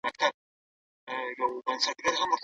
بهرنۍ سوداګري د سياسي پريکړو له امله پراخه سوه.